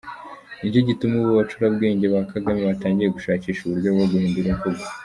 Nicyo gituma ubu abacurabwenge ba Kagame batangiye gushakisha uburyo bwo guhindura imvugo.